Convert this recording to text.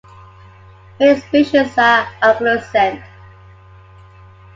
Many species are acaulescent.